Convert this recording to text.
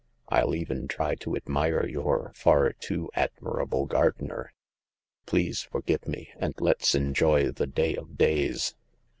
I'll even try to admire your far too admirable gardener. Please forgive me, and let's enjoy the day of days."